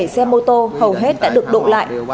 ba mươi bảy xe mô tô hầu hết đã được đột lại